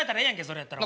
それやったら。